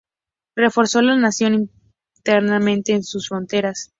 Reforzó la nación internamente y en sus fronteras.